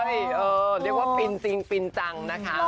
ใช่เรียกว่าฟินจริงฟินจังนะคะ